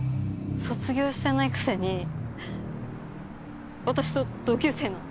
卒業してないくせに私と同級生なの？